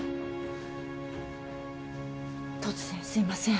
・突然すいません。